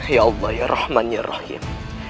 ya allah ya rahman ya rahim